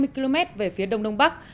năm trăm hai mươi km về phía đông đông bắc